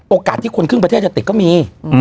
โอกาสที่คนครึ่งประเทศจะติดก็มี